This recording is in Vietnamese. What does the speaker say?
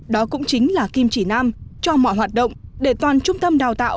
đó cũng chính là kim chỉ nam cho mọi hoạt động để toàn trung tâm đào tạo